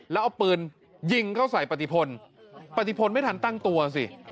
แล้วเอาปืนยิงเข้าใส่ปฏิพลปฏิพลไม่ทันตั้งตัวสิ